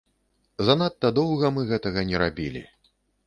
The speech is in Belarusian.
Занадта доўга мы гэтага не рабілі.